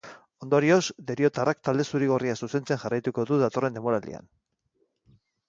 Ondorioz, deriotarrak talde zuri-gorria zuzentzen jarraituko du datorren denboraldian.